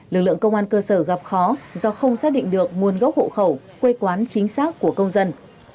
lực lượng công an cơ sở gặp khó do không xác định được nguồn gốc hộ khẩu quê quán chính xác của công dân